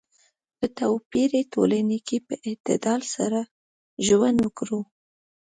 په توپیري ټولنه کې په اعتدال سره ژوند وکړو.